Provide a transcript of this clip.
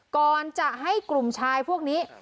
ก่อนจะให้กลุ่มชายพวกนี้